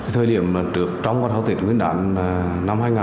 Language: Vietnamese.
thời điểm trượt trong con tháo tiết nguyễn đạn là năm hai nghìn hai mươi